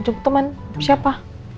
jemput temen siapa